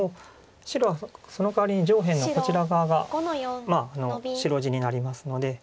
白はそのかわりに上辺のこちら側が白地になりますので。